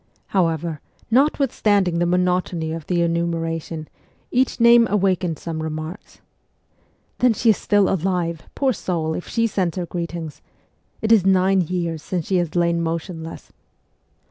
However, notwithstanding the monotomy of the enumeration, each name awakened some remarks :' Then she is still alive, poor soul, if she sends her greetings ; it is nine years since she has lain motionless.'